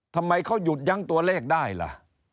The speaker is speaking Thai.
ทำไมเขาหยุดยั้งตัวเลขได้ล่ะ